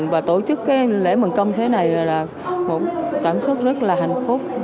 và tổ chức cái lễ mừng công thế này là một cảm xúc rất là hạnh phúc